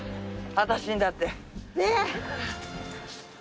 私にだって。ねぇ！